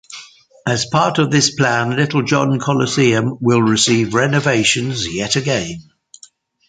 As a part of this plan, Littlejohn Coliseum will receive renovations yet again.